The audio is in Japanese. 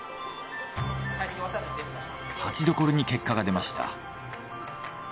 たちどころに結果が出ました。